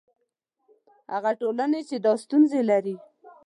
هغه ټولنې چې دا ستونزې لري.